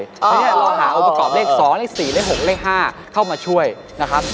เพราะฉะนั้นเราหาองค์ประกอบเลข๒เลข๔เลข๖เลข๕เข้ามาช่วยนะครับ